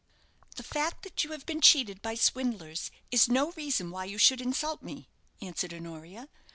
"The fact that you have been cheated by swindlers is no reason why should insult me," answered Honoria.